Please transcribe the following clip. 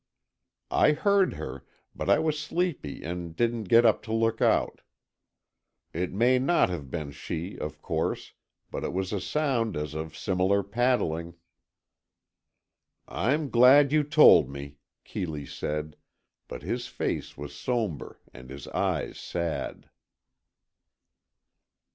"I heard her, but I was sleepy and didn't get up to look out. It may not have been she, of course, but it was a sound as of similar paddling." "I'm glad you told me," Keeley said, but his face was sombre and his eyes sad.